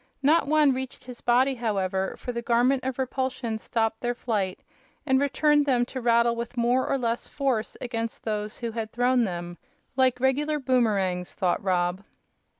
Not one reached his body, however, for the Garment of Repulsion stopped their flight and returned them to rattle with more or less force against those who had thrown them "like regular boomerangs," thought Rob.